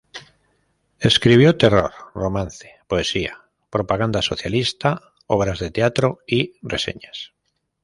Escribió terror, romance, poesía, propaganda socialista, obras de teatro y reseñas.